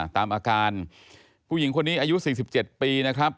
ตามอาการผู้หญิงคนนี้อายุ๔๗ปีนะครับ